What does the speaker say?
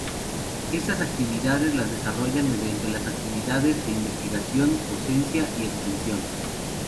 Estas actividades las desarrollará mediante las actividades de investigación, docencia y extensión.